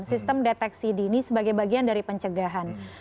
sistem deteksi dini sebagai bagian dari pencegahan